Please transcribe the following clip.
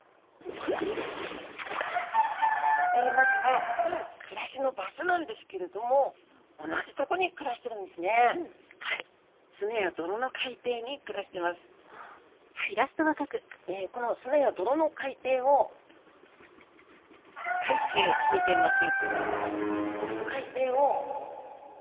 えまずは暮らしの場所なんですけれどもこの砂や泥の海底をかいてーみてます。